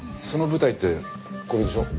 その舞台ってこれでしょ？